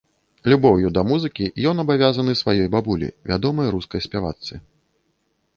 Любоўю да музыкі ён абавязаны сваёй бабулі, вядомай рускай спявачцы.